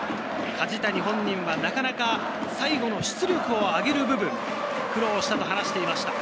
梶谷本人は、なかなか最後の出力を上げる部分に苦労したと話していました。